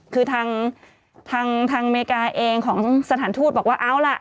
คือทางอเมริกาเองของสถานทูตบอกว่าเอาล่ะ